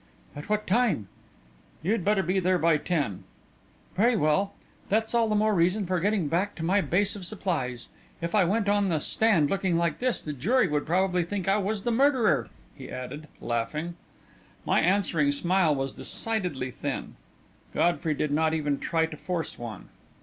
"At what time?" "You'd better be there by ten." "Very well; that's all the more reason for getting back to my base of supplies. If I went on the stand looking like this, the jury would probably think I was the murderer!" he added, laughing. My answering smile was decidedly thin. Godfrey did not even try to force one.